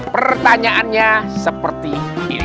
pertanyaannya seperti ini